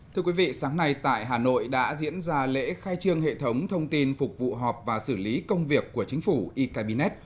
thưa quý vị sáng nay tại hà nội đã diễn ra lễ khai trương hệ thống thông tin phục vụ họp và xử lý công việc của chính phủ e cabinet